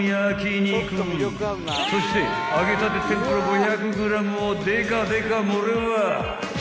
［そして揚げたて天ぷら５００ｇをデカデカ盛れば］